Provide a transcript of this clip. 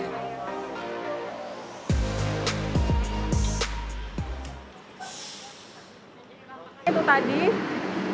kami menemui hambatan disabilitas